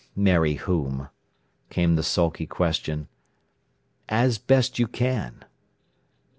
"Marry whom?" came the sulky question. "As best you can."